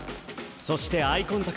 そしてアイコンタクト。